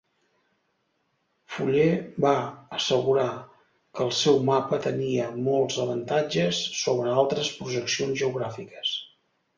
Fuller va assegurar que el seu mapa tenia molts avantatges sobre altres projeccions geogràfiques.